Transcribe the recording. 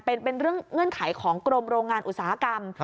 เป็นเรื่องเงื่อนไขของกรมโรงงานอุตสาหกรรม